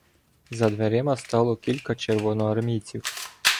За дверима стало кілька червоноармійців.